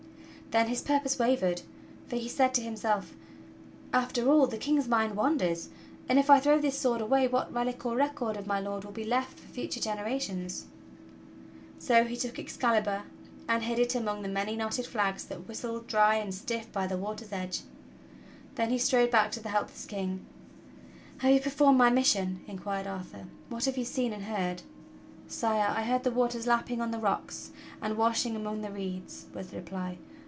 Then his purpose wavered, for he said to himself: "After all, the King's mind wanders; and if I throw this sword away what relic or record of my Lord will be left for future genera tions?" So he took Excalibur and hid it among the many knotted flags that whistled dry and stiff by the water's edge. Then he strode back to the helpless King. "Have you performed my mission?" inquired Arthur. "What have you seen and heard?" "Sire, I heard the waters lapping on the rocks and washing among the reeds," was the reply.